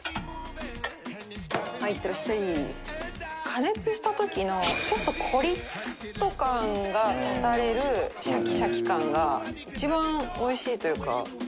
加熱した時のちょっとコリッと感が足されるシャキシャキ感が一番おいしいというか。